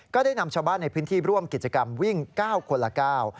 ได้นำชาวบ้านในพื้นที่ร่วมกิจกรรมวิ่ง๙คนละเก้า